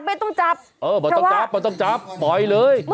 เออไม่ต้องจับปล่อยเลย